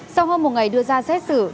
sau hôm một ngày đưa ra xét xử